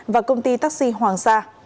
và công ty taxi hoàng sa